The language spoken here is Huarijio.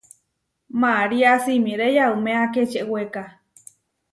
María simiré yauméa Kečeweka.